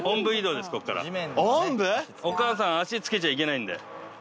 お母さん足つけちゃいけないんで。